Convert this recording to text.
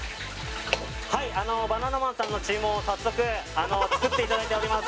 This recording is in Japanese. はいバナナマンさんの注文を早速作っていただいております